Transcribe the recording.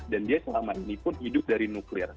dan dia selama ini pun hidup dari nuklir